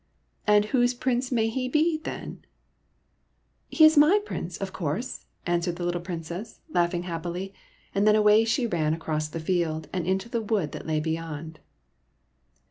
" And whose Prince may he be, then ?"" He is my Prince, of course !" answered the little Princess, laughing happily ; and then away she ran across the field, and into the wood that lay beyond.